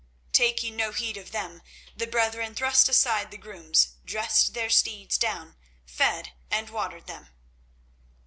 Taking no heed of them, the brethren thrust aside the grooms, dressed their steeds down, fed and watered them.